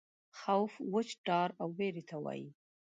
خوف وچ ډار او وېرې ته وایي.